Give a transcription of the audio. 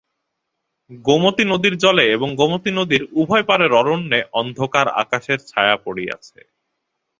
গোমতী নদীর জলে এবং গোমতী নদীর উভয় পারের অরণ্যে অন্ধকার আকাশের ছায়া পড়িয়াছে।